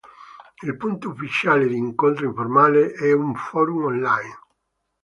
Il punto ufficiale di incontro informale è un forum online.